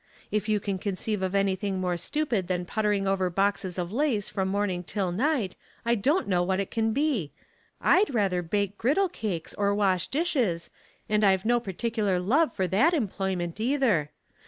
If you can conceive of anything more stupid than puttering over boxes of lace from morning till night, I don't know what it can be Td rather bake griddle cakes or wash dishes, and I've no particular love for that employment either.